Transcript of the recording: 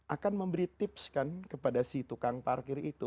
akan memberi tips kan kepada si tukang parkir itu